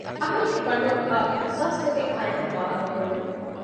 އަހަރެންގެ ބަނޑުން އައު އިޙްސާސާތެއް އަހަރެންނަށް ފާހަގަ ކުރެވެ